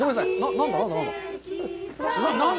何だ？